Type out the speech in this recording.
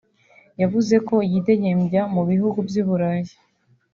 yavuze ko yidegembya mu bihugu by’u Burayi